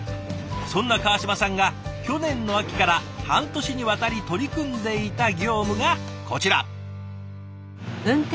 そんな川島さんが去年の秋から半年にわたり取り組んでいた業務がこちら。